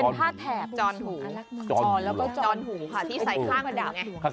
เป็นผ้าแถบจอนหูจอนหูค่ะที่ใส่ข้างประดับไง